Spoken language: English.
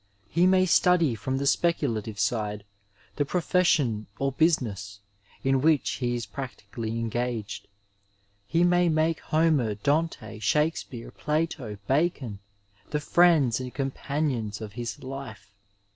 He may study from the speculative side the pro fession or business in which he is practically engaged. He may make Homer, Dante, Shakespeare, Plato, Bacon the friends and companions of his life.